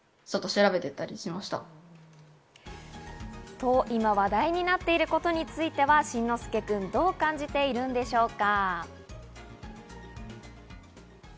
と、今話題になっていることについては真之介君、どう感じているんでしょうか。